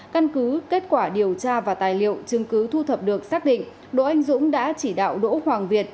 căn cứ kết quả điều tra và tài liệu chứng cứ thu thập được xác định